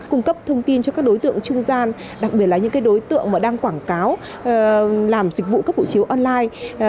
cung cấp thông tin cho các đối tượng trung gian đặc biệt là những đối tượng đang quảng cáo làm dịch vụ cấp hộ chiếu online